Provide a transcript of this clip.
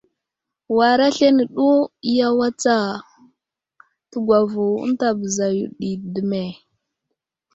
War aslane ɗo iyaway tsa, təgwavo ənta bəza yo ɗi dəme !